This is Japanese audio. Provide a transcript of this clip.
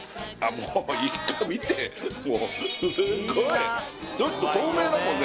もうイカ見てもうすっごいちょっと透明だもんね